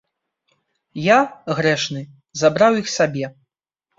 Я, грэшны, забраў іх сабе.